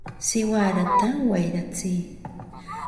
¡siwarata wayratsiy!